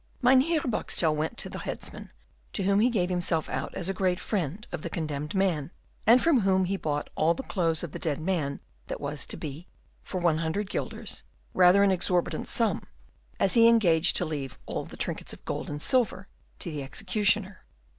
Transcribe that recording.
Mynheer Boxtel went to the headsman, to whom he gave himself out as a great friend of the condemned man; and from whom he bought all the clothes of the dead man that was to be, for one hundred guilders; rather an exorbitant sum, as he engaged to leave all the trinkets of gold and silver to the executioner.